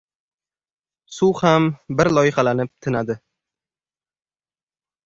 «Suv ham bir loyqalanib tinadi...»